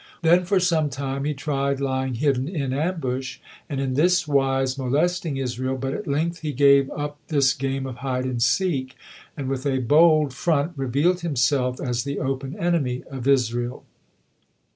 Then, for some time, he tried lying hidden in ambush, and in this wise molesting Israel, but as length he gave up this game of hide and seek, and with a bold front revealed himself as the open enemy of Israel.